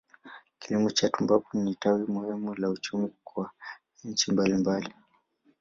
Kilimo cha tumbaku ni tawi muhimu la uchumi kwa nchi mbalimbali.